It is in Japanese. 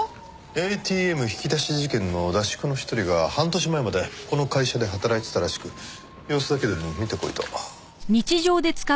ＡＴＭ引き出し事件の出し子の一人が半年前までこの会社で働いていたらしく様子だけでも見てこいと。